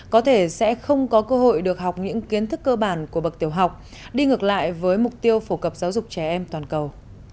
có thể sẽ không có cơ hội được học những kiến thức cơ bản của bậc tiểu học đi ngược lại với mục tiêu phổ cập giáo dục trẻ em toàn cầu